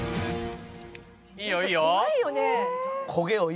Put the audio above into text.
いいよいいよ。